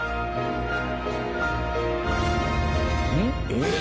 えっ？